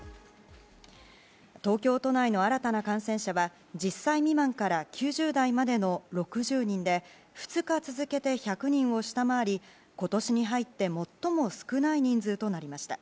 東京都内の新たな感染者は１０歳未満から９０代までの６０人で２日続けて１００人を下回り今年に入って最も少ない人数となりました。